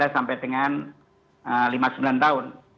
sembilan belas sampai dengan lima puluh sembilan tahun